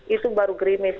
itu baru gerimis